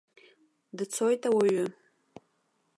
Дцоит ауаҩы.